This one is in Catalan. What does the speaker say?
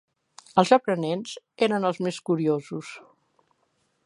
Els aprenents eren els més curiosos.